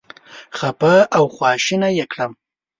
خپه او خواشینی یې کړم.